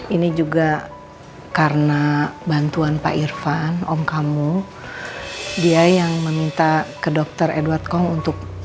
ini juga karena bantuan pak irfan om kamu dia yang meminta ke dokter edward com untuk